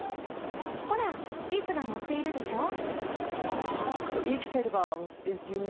ほらリスがのっているでしょう。